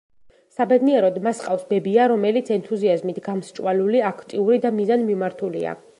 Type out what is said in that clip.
საბედნიეროდ, მას ჰყავს ბებია, რომელიც ენთუზიაზმით გამსჭვალული, აქტიური და მიზანმიმართულია.